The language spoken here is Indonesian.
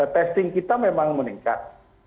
testing kita memang meningkat